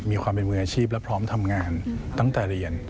มีความเป็นมืออาชีพและพร้อมทำงานตั้งแต่เรียน